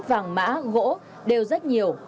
vàng mã gỗ đều rất nhiều